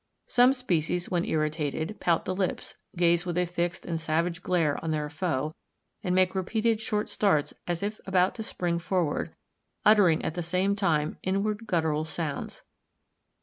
"Some species, when irritated, pout the lips, gaze with a fixed and savage glare on their foe, and make repeated short starts as if about to spring forward, uttering at the same time inward guttural sounds.